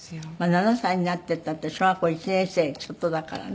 ７歳になるって言ったって小学校１年生ちょっとだからね。